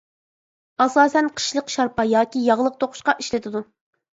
ئاساسەن قىشلىق شارپا، ياكى ياغلىق توقۇشقا ئىشلىتىدۇ.